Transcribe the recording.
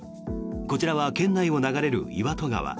こちらは県内を流れる岩戸川。